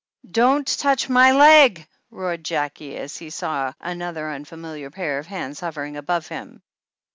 "Don't touch my — legf* roared Jackie, as he saw another unfamiliar pair of hands hovering above him.